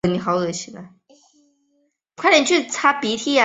年轻的法老托勒密五世统治下的埃及成为其他希腊化各国的侵略对象。